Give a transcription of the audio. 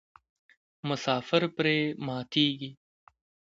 مسافر پرې ماتیږي.